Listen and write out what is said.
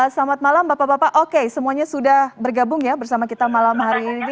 selamat malam bapak bapak oke semuanya sudah bergabung ya bersama kita malam hari ini